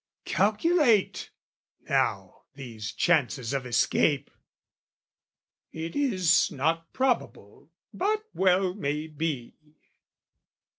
Calculate now these chances of escape! "It is not probable, but well may be."